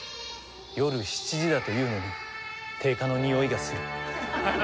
夜７時だというのに定価のにおいがする。